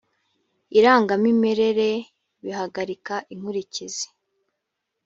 irangamimerere bihagarika inkurikizi